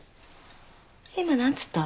今何つった？